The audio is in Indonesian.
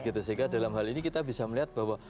sehingga dalam hal ini kita bisa melihat bahwa